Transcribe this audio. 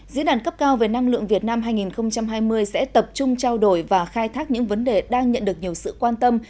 diễn đàn cấp cao về năng lượng việt nam hai nghìn hai mươi sẽ tập trung trao đổi và khai thác những vấn đề đang nhận được nhiều sự quan tâm